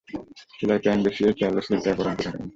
চুলায় প্যান বসিয়ে তেল ও সিরকা গরম করে নিন।